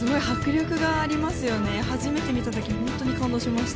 初めて見た時本当に感動しました。